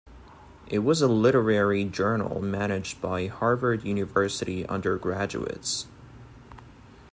It was a literary journal managed by Harvard University undergraduates.